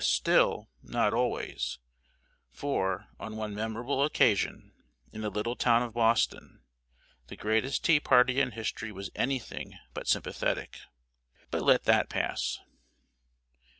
Still, not always; for, on one memorable occasion, in the little town of Boston, the greatest tea party in history was anything but sympathetic. But let that pass.